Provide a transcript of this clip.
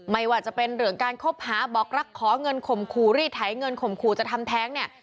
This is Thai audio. ไม่ว่าจะเป็นเรื่องการคบหาบอกรักขอเงินข่มขู่รีดไถเงินข่มขู่จะทำแท้งเนี่ย